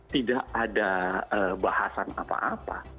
tidak ada bahasan apa apa